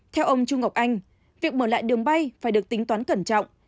theo ông chu ngọc anh việc mở lại đường bay phải được tính toán cẩn trọng